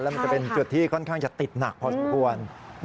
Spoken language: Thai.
มันจะเป็นจุดที่ค่อนข้างจะติดหนักพอสมควร